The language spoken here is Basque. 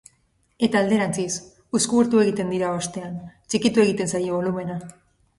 Eta alderantziz, uzkurtu egiten dira hoztean, txikitu egiten zaie bolumena.